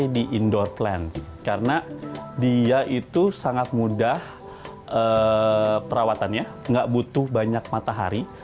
monstera ini sangat mudah dihias ruangan karena dia sangat mudah perawatannya tidak butuh banyak matahari